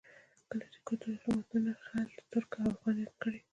کلاسیکو تاریخي متونو خلج، ترک او افغان یاد کړي.